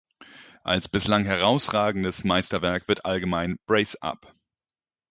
Als bislang herausragendes Meisterwerk wird allgemein "Brace Up!